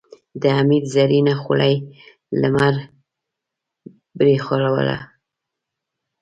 د حميد زرينه خولۍ لمر برېښوله.